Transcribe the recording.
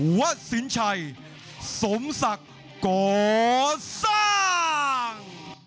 วัดสินชัยสมศักดิ์โกซัง